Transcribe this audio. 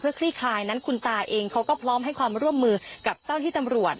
คลี่คลายนั้นคุณตาเองเขาก็พร้อมให้ความร่วมมือกับเจ้าที่ตำรวจ